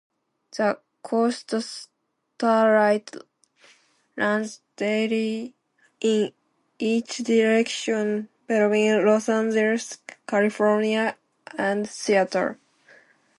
The "Coast Starlight"runs daily in each direction between Los Angeles, California and Seattle.